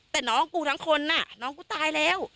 แต่น้องกูทั้งคนน่ะน้องกูตายแล้ว